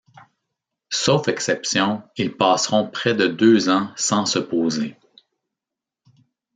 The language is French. Sauf exception, ils passeront près de deux ans sans se poser.